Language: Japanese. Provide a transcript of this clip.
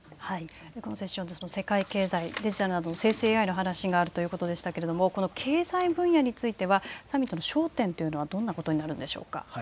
このセッション、世界経済、デジタルなどの生成ＡＩの話があるということですが経済分野についてはサミットの焦点というのはどんなことになるんでしょうか。